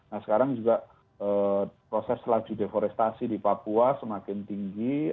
nah sekarang juga proses laju deforestasi di papua semakin tinggi